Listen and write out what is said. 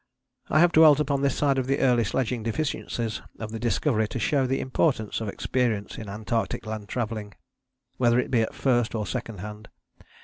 I have dwelt upon this side of the early sledging deficiencies of the Discovery to show the importance of experience in Antarctic land travelling, whether it be at first or second hand.